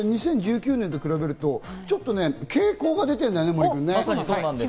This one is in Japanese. ２０１９年と比べると傾向が出てるんだよね、森君。